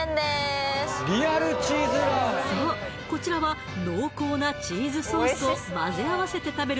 そうこちらは濃厚なチーズソースをまぜ合わせて食べる